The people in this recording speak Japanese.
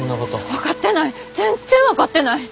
分かってない全然分かってない！